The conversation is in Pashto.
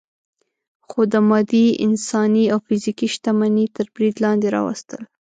خو د مادي، انساني او فزیکي شتمنۍ تر برید لاندې راوستل.